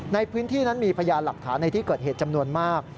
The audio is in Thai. ในพื้นที่นั้นมีพยานหลักฐานในที่เกิดเหตุจำนวนมาก